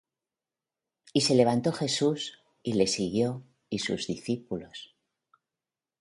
Y se levantó Jesús, y le siguió, y sus discípulos.